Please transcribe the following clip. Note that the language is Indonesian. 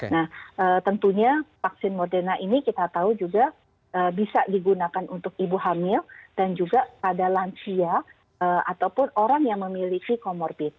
nah tentunya vaksin moderna ini kita tahu juga bisa digunakan untuk ibu hamil dan juga pada lansia ataupun orang yang memiliki comorbid